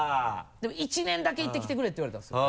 １年だけ行ってきてくれって言われたんですよ。